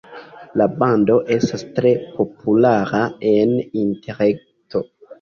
La bando estas tre populara en interreto.